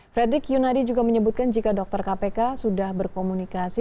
fredrik yunadi juga menyebutkan jika dokter kpk sudah berkomunikasi